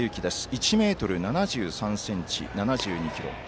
１ｍ７３ｃｍ、７２ｋｇ。